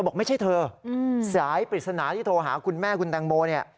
บอกไม่ใช่เธอสายปริศนาที่โทรหาคุณแม่คุณแตงโมเนี่ย